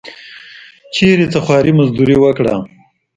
چېرته څه خواري مزدوري وکړه.